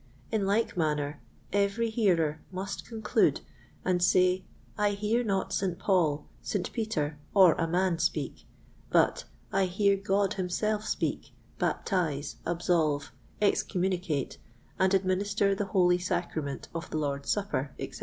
In like manner, every hearer must conclude and say, I hear not St. Paul, St. Peter, or a man speak; but I hear God himself speak, baptize, absolve, excommunicate, and administer the holy sacrament of the Lord's Supper, etc."